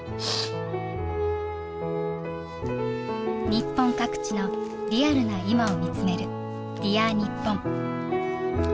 日本各地のリアルな今を見つめる「Ｄｅａｒにっぽん」。